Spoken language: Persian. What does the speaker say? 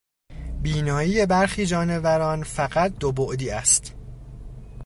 بینایی برخی جانوران فقط دو بعدی است.